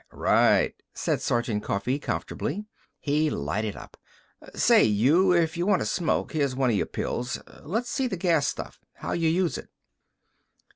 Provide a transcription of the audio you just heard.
"Right," said Sergeant Coffee comfortably. He lighted up. "Say, you, if y' want to smoke, here's one o' your pills. Let's see the gas stuff. How' y' use it?"